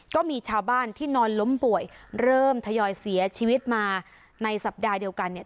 ก็มีชาวบ้านที่นอนล้มป่วยเริ่มทยอยเสียชีวิตมาในสัปดาห์เดียวกันเนี่ย